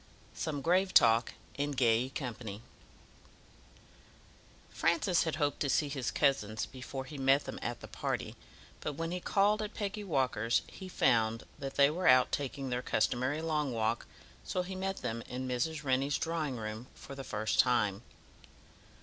Some Grave Talk In Gay Company Francis had hoped to see his cousins before he met them at the party, but when he called at Peggy Walker's he found that they were out taking their customary long walk, so he met them in Mrs. Rennie's drawing room for the first time.